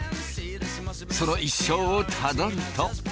その一生をたどると。